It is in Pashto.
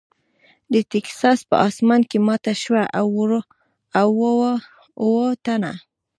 د ټیکساس په اسمان کې ماته شوه او اووه تنه .